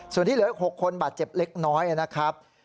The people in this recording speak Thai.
ส่วนที่เหลืออีก๖คนบาดเจ็บเล็กน้อยนะครับ